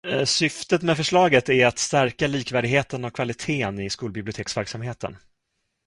Syftet med förslaget är att stärka likvärdigheten och kvaliteten i skolbiblioteksverksamheten.